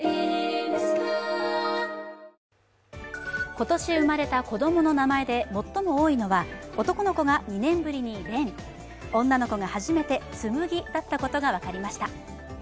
今年生まれた子供の名前で最も多いのは男の子が２年ぶりに「蓮」女の子が初めて「紬」だったことが分かりました。